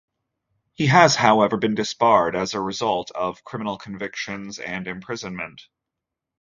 He has however been disbarred as a result of criminal convictions and imprisonment.